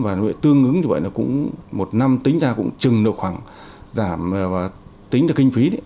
và tương đương như vậy là cũng một năm tính ra cũng trừng được khoảng giảm và tính ra kinh phí đấy